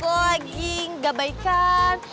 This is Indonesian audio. kalau lagi gak baik kan